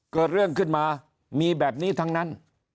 เกิดเรื่องขึ้นมามีแบบนี้ทั้งนั้น